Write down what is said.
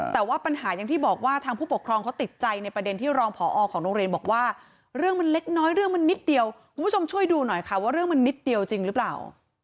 แต่ว่าปัญหาอย่างที่บอกว่าทางผู้ปกครองเขาติดใจในประเด็นที่รองผอของโรงเรียนบอกว่าเรื่องมันเล็กน้อยเรื่องมันนิดเดียวคุณผู้ชมช่วยดูหน่อยค่ะว่าเรื่องมันนิดเดียวจริงหรือเปล่า